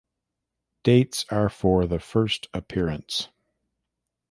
Dates are for the first appearance.